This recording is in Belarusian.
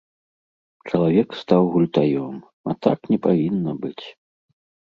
Чалавек стаў гультаём, а так не павінна быць.